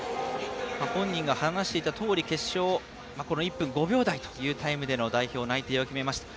本人が話していたとおり決勝、１分５秒台というタイムでの代表内定を決めました。